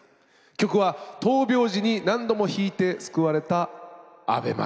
曲は闘病時に何度も弾いて救われた「アヴェ・マリア」。